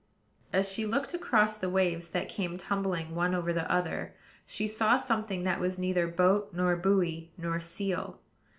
As she looked across the waves that came tumbling one over the other, she saw something that was neither boat nor buoy nor seal.